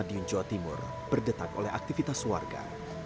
madiun jawa timur berdetak oleh aktivitas warga